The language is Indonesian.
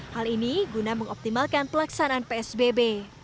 hal ini guna mengoptimalkan pelaksanaan psbb